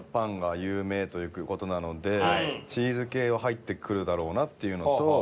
チーズ系は入ってくるだろうなっていうのと。